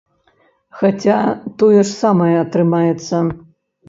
Хаця тое ж самае атрымаецца.